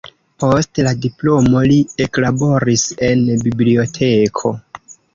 Post la diplomo li eklaboris en biblioteko.